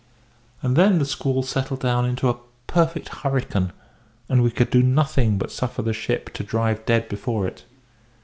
And then the squall settled down into a perfect hurricane, and we could do nothing but suffer the ship to drive dead before it.